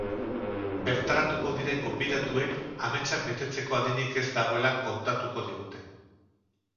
Bertaratuko diren gonbidatuek ametsak betetzeko adinik ez dagoela kontatuko digute.